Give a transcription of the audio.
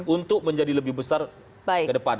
untuk menjadi lebih besar ke depan